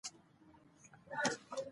هغه څانګو ته مرغي لټوم ، چېرې؟